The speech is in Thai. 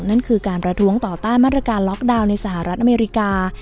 นั่นคือการประท้วงต่อต้านมาตรการล็อกดาวน์ในสหรัฐอเมริกา